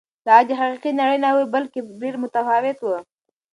دا غږ د حقیقي نړۍ نه و بلکې ډېر متفاوت و.